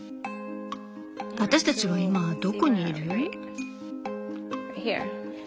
私たちは今どこにいる？